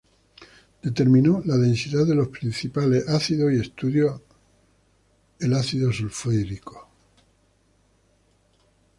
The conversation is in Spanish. Determinó la densidad de los principales ácidos y estudió el ácido sulfhídrico.